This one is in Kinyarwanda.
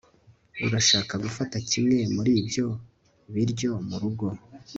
urashaka gufata kimwe muri ibyo biryo murugo